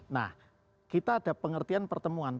nah kita ada pengertian pertemuan